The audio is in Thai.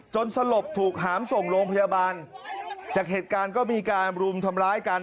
สลบถูกหามส่งโรงพยาบาลจากเหตุการณ์ก็มีการรุมทำร้ายกัน